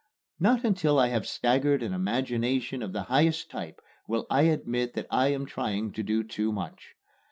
Not until I have staggered an imagination of the highest type will I admit that I am trying to do too much.